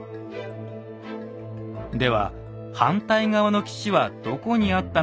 では反対側の岸はどこにあったのでしょうか？